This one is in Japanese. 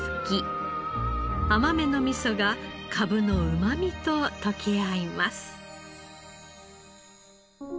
甘めの味噌がかぶのうまみと溶け合います。